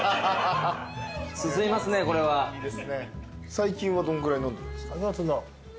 最近はどんぐらい飲んでるんですか？